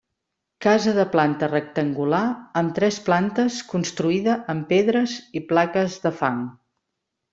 Casa de planta rectangular amb tres plantes construïda amb pedres i plaques de fang.